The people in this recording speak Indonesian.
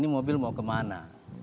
mobil mau ke mana